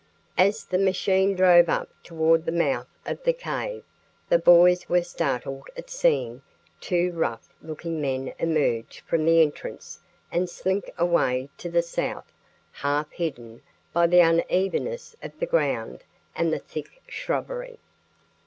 As the machine drove up toward the mouth of the cave, the boys were startled at seeing two rough looking men emerge from the entrance and slink away to the south, half hidden by the unevenness of the ground and the thick shrubbery.